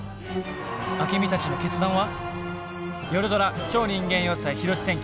アケミたちの決断は？